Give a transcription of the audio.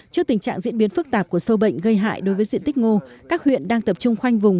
trước tình trạng diễn biến phức tạp của sâu bệnh gây hại đối với diện tích ngô các huyện đang tập trung khoanh vùng